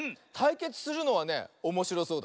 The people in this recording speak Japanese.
けつするのはねおもしろそうだ。